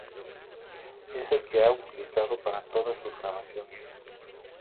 Es el que ha utilizado para todas sus grabaciones.